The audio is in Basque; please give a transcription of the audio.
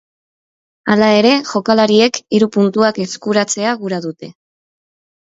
Hala ere, jokalariek hiru puntuak eskuratzea gura dute.